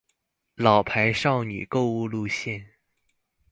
老派少女購物路線